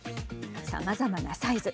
さまざまなサイズ